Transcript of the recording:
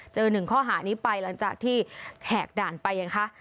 หนึ่งข้อหานี้ไปหลังจากที่แหกด่านไปยังคะ